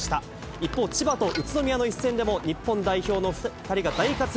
一方、千葉と宇都宮の一戦でも、日本代表の２人が大活躍。